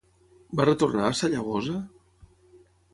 Va retornar a Sallagosa?